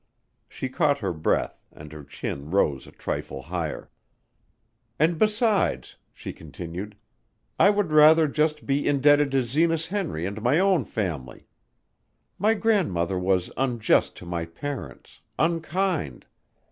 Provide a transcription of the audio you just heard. She caught her breath, and her chin rose a trifle higher. "And besides," she continued, "I would rather just be indebted to Zenas Henry and my own family. My grandmother was unjust to my parents, unkind.